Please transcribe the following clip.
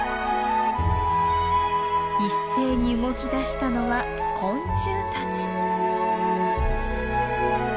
一斉に動きだしたのは昆虫たち。